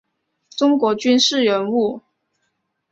中国军事人物。